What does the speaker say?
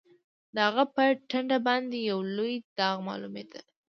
د هغه په ټنډه باندې یو لوی داغ معلومېده